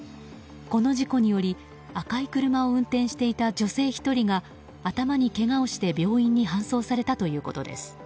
この事故により赤い車を運転していた女性１人が頭にけがをして病院に搬送されたということです。